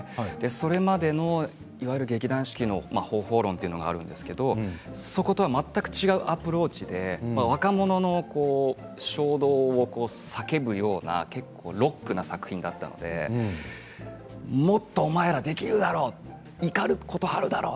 それまでの、いわゆる劇団四季の方法論というのがあるんですけどそことは全く違うアプローチで若者の衝動を叫ぶような結構ロックな作品だったのでもっとお前らできるだろ！怒ることあるだろ！